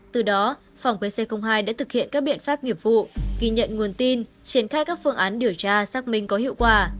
từ đó phòng pc hai đã thực hiện các biện pháp nghiệp vụ ghi nhận nguồn tin triển khai các phương án điều tra xác minh có hiệu quả